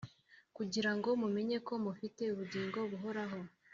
kugira ngo mumenye ko mufite ubugingo buhoraho